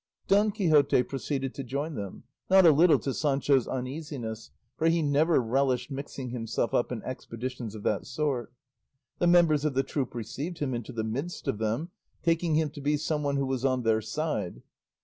Don Quixote proceeded to join them, not a little to Sancho's uneasiness, for he never relished mixing himself up in expeditions of that sort. The members of the troop received him into the midst of them, taking him to be some one who was on their side.